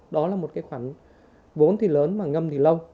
đó là một cái khoản vốn thì lớn mà ngâm thì lâu